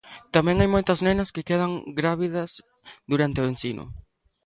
Tamén hai moitas nenas que quedan grávidas durante o ensino.